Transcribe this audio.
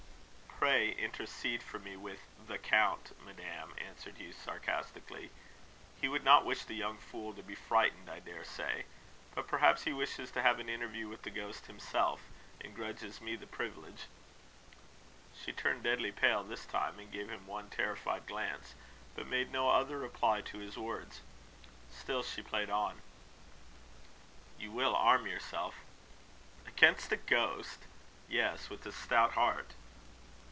"Pray intercede for me with the count, madam," answered Hugh, sarcastically. "He would not wish the young fool to be frightened, I daresay. But perhaps he wishes to have an interview with the ghost himself, and grudges me the privilege." She turned deadly pale this time, and gave him one terrified glance, but made no other reply to his words. Still she played on. "You will arm yourself?" "Against a ghost? Yes, with a stout heart."